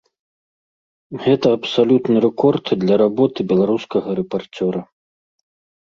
Гэта абсалютны рэкорд для работы беларускага рэпарцёра.